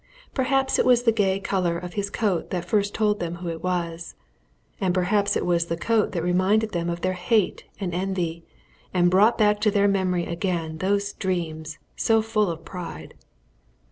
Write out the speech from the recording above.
Perhaps it was the gay colour of his coat that first told them who it was, and perhaps it was the coat that reminded them of their hate and envy, and brought back to their memory again those dreams so full of pride.